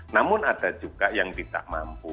namun ada juga yang tidak mampu